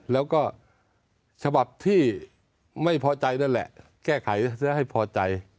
แล้วก็ฉบับที่ไม่พอใจนั่นแหละแก้ไขซะให้พอใจ